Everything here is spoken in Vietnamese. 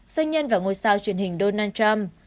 doanh nhân và ngôi sao truyền hình donald trump